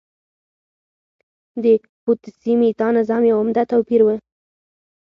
د پوتسي میتا نظام یو عمده توپیر و